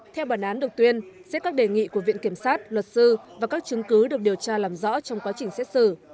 theo bản án được tuyên xếp các đề nghị của viện kiểm sát luật sư và các chứng cứ được điều tra làm rõ trong quá trình xét xử